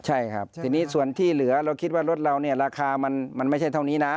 ใช่ครับทีนี้ส่วนที่เหลือเราคิดว่ารถเราเนี่ยราคามันไม่ใช่เท่านี้นะ